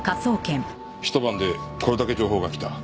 一晩でこれだけ情報が来た。